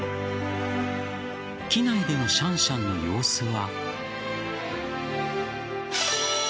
機内でのシャンシャンの様子は。